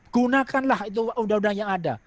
gunakanlah itu undang undang yang ada